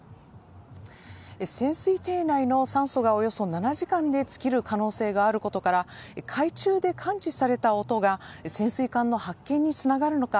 潜水艇内の酸素がおよそ７時間で尽きる可能性があることから海中で感知された音が潜水艦の発見につながるのか